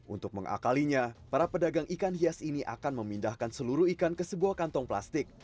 untuk mengakalinya para pedagang ikan hias ini akan memindahkan seluruh ikan ke sebuah kantong plastik